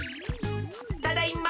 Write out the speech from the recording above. ただいま。